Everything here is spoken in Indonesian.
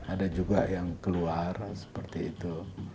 ada juga yang keluar seperti itu